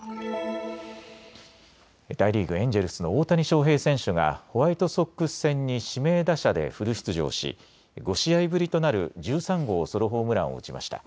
大リーグ、エンジェルスの大谷翔平選手がホワイトソックス戦に指名打者でフル出場し５試合ぶりとなる１３号ソロホームランを打ちました。